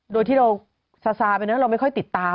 โดยที่เราซาซาไปนะเราไม่ค่อยติดตาม